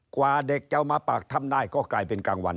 กว่าเด็กจะเอามาปากถ้ำได้ก็กลายเป็นกลางวัน